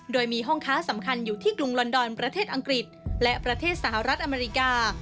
โดยมีห้องค้าสำคัญอยู่ที่กรุงลอนดอนประเทศอังกฤษและประเทศสหรัฐอเมริกา